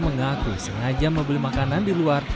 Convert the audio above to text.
mengaku sengaja membeli makanan di luar